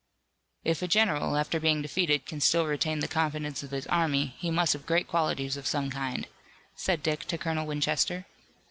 "If a general, after being defeated, can still retain the confidence of his army he must have great qualities of some kind," said Dick to Colonel Winchester.